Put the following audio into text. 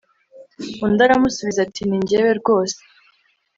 undi aramusubiza ati ni jyewe rwose